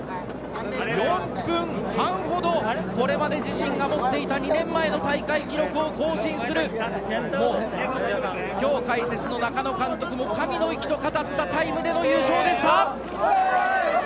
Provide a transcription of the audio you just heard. ４分半ほどこれまで自身が持っていた２年前の大会記録を更新する今日、解説の中野監督も神の域と語ったタイムでした。